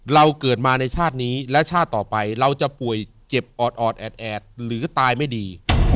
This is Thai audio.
เราเกิดมาในชาตินี้และชาติต่อไปเราจะป่วยเจ็บออดแอดหรือตายไม่ดี